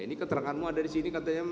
ini keteranganmu ada disini katanya